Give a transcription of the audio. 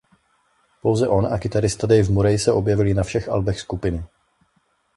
Pouze on a kytarista Dave Murray se objevili na všech albech skupiny.